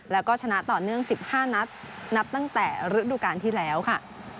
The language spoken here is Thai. แล้วก็ชนะต่อเนื่อง๑๕นัดนับตั้งแต่ฤดูการที่แล้วค่ะ